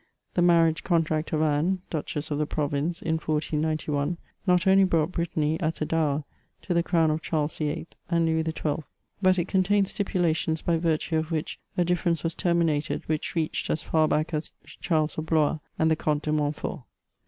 The marriage contract of Anne, Duchess of the province in 1491, not only brought Brittany, as a dower, to the crown of Charles VIII. and Louis XII., but it contained stipulations by virtue of which a difference was terminated, which reached as far bock as Charles of Blois and the Comte de Montfort.